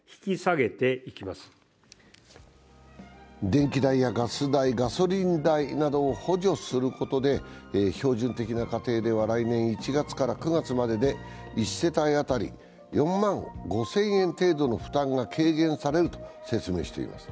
電気代やガス代、ガソリン代などを補助することで標準的な家庭では来年１月から９月までで１世帯当たり４万５０００円程度の負担が軽減されるとしています。